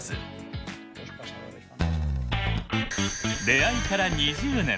出会いから２０年。